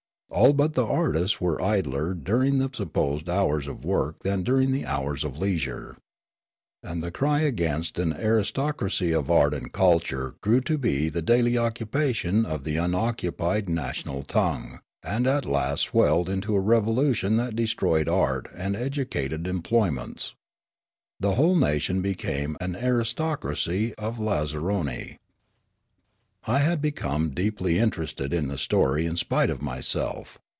All but the artists were idler during the supposed hours of work than during the hours of leisure. And the cr}^ against an aristo cracy of art and culture grew to be the daily occupation of the unoccupied national tongue, and at last swelled into a revolution that destroN'ed art and educated em ployments. The whole nation became an aristocracy of lazzaroni." I had become deeply interested in the story in spite of myself.